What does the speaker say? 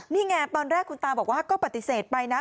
นี่ไงตอนแรกคุณตาบอกว่าก็ปฏิเสธไปนะ